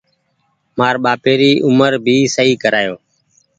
مآر ٻآپي ري اومر ڀي سئي ڪرايو۔